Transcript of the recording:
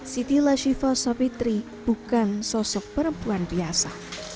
siti lashifa sapitri bukan sosok perempuan biasa